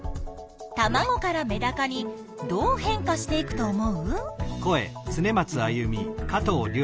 たまごからメダカにどう変化していくと思う？